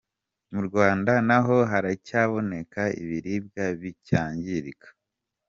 Mu Rwanda naho haracyaboneka ibiribwa bicyangirika.